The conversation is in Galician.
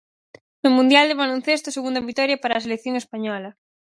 No Mundial de Baloncesto, segunda vitoria para a selección española.